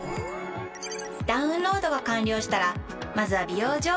ダウンロードが完了したらまずは「美容情報」をチェック！